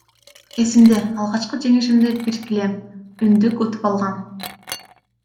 Эсимде, алгачкы жеңишимде бир килем, үндүк утуп алгам.